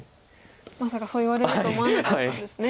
まさかそう言われると思わなかったんですね。